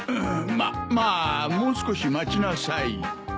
まっまあもう少し待ちなさい。